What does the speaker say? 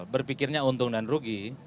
berpikirnya untung dan rugi